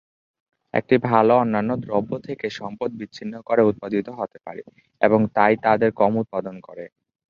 একটি ভাল অন্যান্য দ্রব্য থেকে সম্পদ বিচ্ছিন্ন করে উৎপাদিত হতে পারে, এবং তাই তাদের কম উৎপাদন করে।